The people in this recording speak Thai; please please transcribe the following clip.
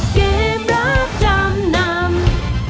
เกมรับจำนำ